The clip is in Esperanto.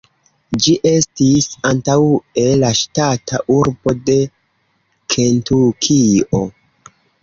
Ĝi estis antaŭe la ŝtata arbo de Kentukio.